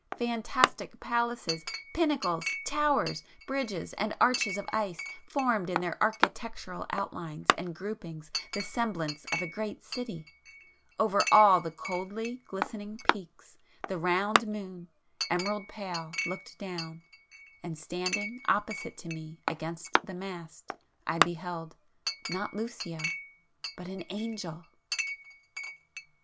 —fantastic palaces, pinnacles, towers, bridges and arches of ice formed in their architectural outlines and groupings the semblance of a great city,—over all the coldly glistening peaks, the round moon, emerald pale, looked down,—and standing opposite to me against the mast, I beheld, ... not Lucio, ... but an Angel!